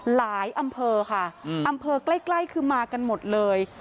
อำเภอค่ะอำเภอใกล้คือมากันหมดเลย